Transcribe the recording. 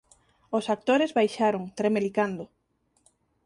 Os actores baixaron, tremelicando.